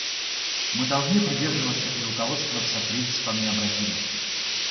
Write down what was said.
Мы должны придерживаться и руководствоваться принципом необратимости.